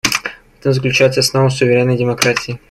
В этом заключается основа суверенной демократии.